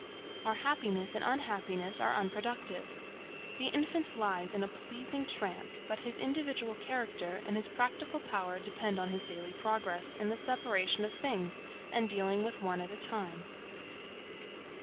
Our happiness and unhappiness are unproductive. The infant lies in a pleasing trance, but his individual character and his practical power depend on his daily progress in the separation of things, and dealing with one at a time.